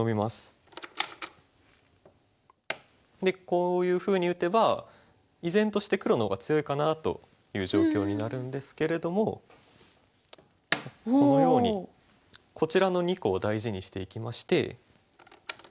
でこういうふうに打てば依然として黒の方が強いかなという状況になるんですけれどもこのようにこちらの２個を大事にしていきまして。